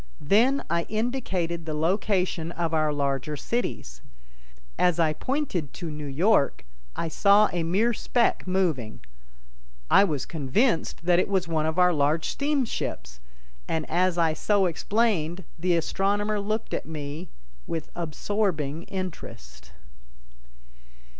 Then I indicated the location of our larger cities. As I pointed to New York, I saw a mere speck moving. I was convinced that it was one of our large steamships, and as I so explained the astronomer looked at me with absorbing interest.